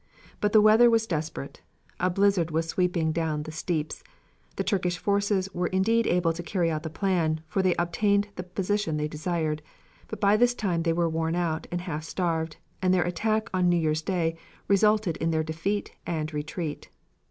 But the weather was desperate. A blizzard was sweeping down the steeps. The Turkish forces were indeed able to carry out the plan, for they obtained the position desired. But by this time they were worn out, and half starved, and their attack on New Year's Day resulted in their defeat and retreat.